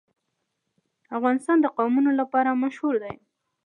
افغانستان د قومونه لپاره مشهور دی.